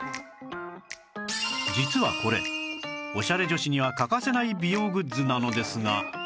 実はこれオシャレ女子には欠かせない美容グッズなのですが